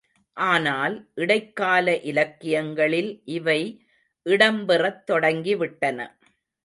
ஆனால், இடைக்கால இலக்கியங்களில் இவை இடம்பெறத் தொடங்கிவிட்டன.